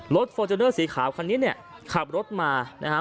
ฟอร์จูเนอร์สีขาวคันนี้เนี่ยขับรถมานะฮะ